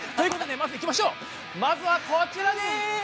まずはこちらです！